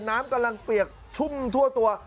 น้ำกำลังเปียกชุ่มทั่วตัว